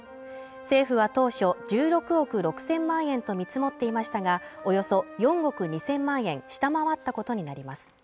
政府は当初１６億６０００万円と見積もっていましたがおよそ４億２０００万円下回ったことになります